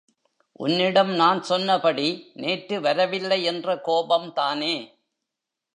உன்னிடம் நான் சொன்னபடி நேற்று வரவில்லையென்ற கோபம்தானே?